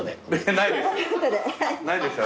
ないですよ。